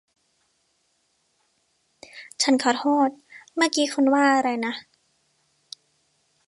ฉันขอโทษ เมื่อกี้คุณว่าอะไรนะ